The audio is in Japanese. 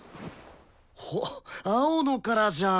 おっ青野からじゃん！